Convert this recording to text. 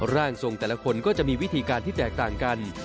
ร่างทรงแต่ละคนก็จะมีวิธีการที่แตกต่างกัน